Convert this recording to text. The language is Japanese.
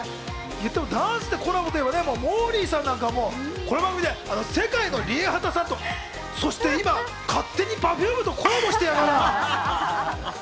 言ってもダンスでコラボといえばモーリーさんなんかもう、この番組で世界のＲＩＥＨＡＴＡさんと、そして今、勝手にＰｅｒｆｕｍｅとコラボしてやら！